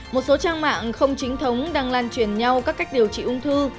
một số trang mạng không chính thống đang lan truyền nhau các cách điều trị ung thư